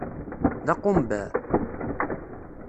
D aqumbeε.